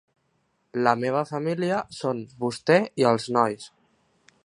La meva família són vostè i els nois.